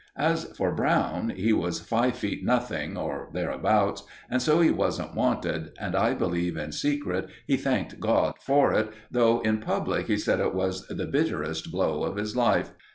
As for Brown, he was five feet nothing, or thereabouts, and so he wasn't wanted, and I believe in secret he thanked God for it, though in public he said it was the bitterest blow of his life.